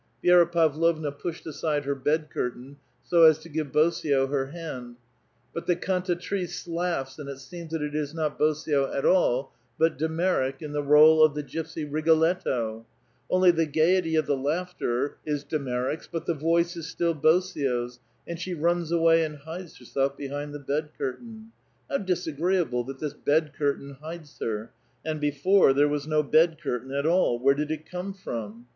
Vi^ra Pavlovua pushed aside her bed curtain, so as to give Bosio her hand ; but the cantatiice laughs, and it seems that it is not Bosio at all, but de Merrick in tlie r61e of the gypsy *' liigoletto "; onl^^ the gayety of the laughter is de Mer rick's, but the voice is still Bosio*s, and she runs away and hides herself behind the bed curtain. How disagreeable, that this bed curtain hides her — and before there was no bed curtain at all : where did it come from